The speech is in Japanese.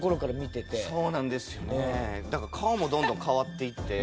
だから顔もどんどん変わっていって。